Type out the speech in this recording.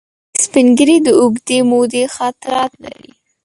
سپین ږیری د اوږدې مودې خاطرات لري